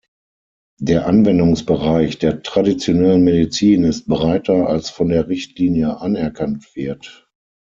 Der Anwendungsbereich der traditionellen Medizin ist breiter, als von der Richtlinie anerkannt wird.